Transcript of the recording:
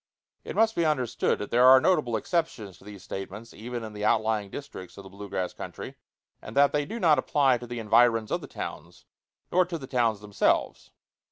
It must be understood that there are notable exceptions to these statements even in the outlying districts of the blue grass country, and that they do not apply to the environs of the towns, nor to the towns themselves.